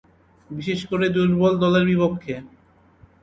বিশেষ করে দূর্বল দলের বিপক্ষে।